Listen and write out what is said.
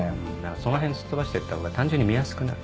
そのへんすっ飛ばしてったほうが単純に見やすくなる。